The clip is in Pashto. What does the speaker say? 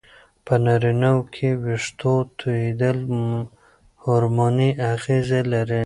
په نارینه وو کې وېښتو توېیدل هورموني اغېزه لري.